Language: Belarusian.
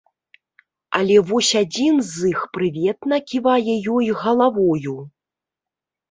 Але вось адзін з іх прыветна ківае ёй галавою.